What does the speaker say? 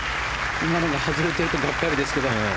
今のが外れているとがっかりですけど。